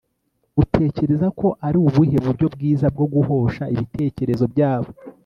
utekereza ko ari ubuhe buryo bwiza bwo guhosha ibitekerezo byabo